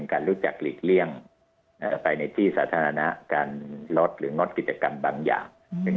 การรู้จักหลีกเลี่ยงไปในที่สาธารณะการลดหรืองดกิจกรรมบางอย่าง